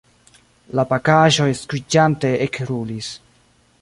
La pakaĵoj skuiĝante ekrulis.